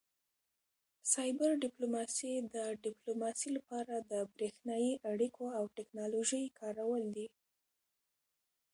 سایبر ډیپلوماسي د ډیپلوماسي لپاره د بریښنایي اړیکو او ټیکنالوژۍ کارول دي